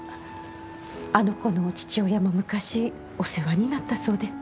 あの子の父親も昔お世話になったそうで。